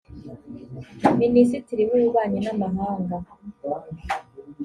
minisitiri w’ububanyi n’amahanga